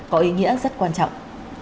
có ý nghĩa rất quan trọng